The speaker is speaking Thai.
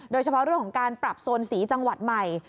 โดยเฉพาะเรื่องของการปรับโซนสีจังหวัดใหม่